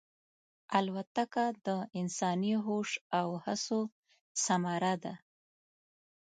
الوتکه د انساني هوش او هڅو ثمره ده.